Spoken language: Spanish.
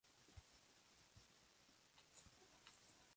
La acogida en Barcelona fue calurosa.